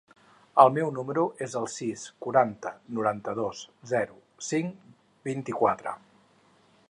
El meu número es el sis, quaranta, noranta-dos, zero, cinc, vint-i-quatre.